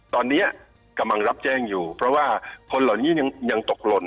ตอนนี้กำลังรับแจ้งอยู่เพราะว่าคนเหล่านี้ยังตกหล่น